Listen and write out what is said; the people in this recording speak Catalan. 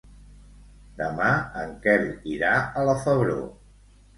Demà en Quel irà a la Febró.